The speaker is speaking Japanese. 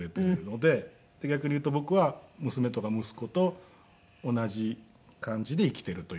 逆に言うと僕は娘とか息子と同じ感じで生きているというか。